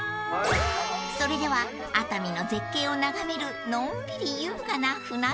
［それでは熱海の絶景を眺めるのんびり］